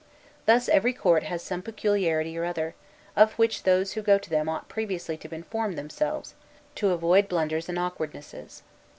Thus every court has some peculiarity or other, of which those who go to them ought previously to inform themselves, to avoid blunders and awkwardnesses.